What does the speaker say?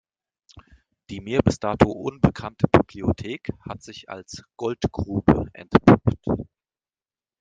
Die mir bis dato unbekannte Bibliothek hat sich als Goldgrube entpuppt.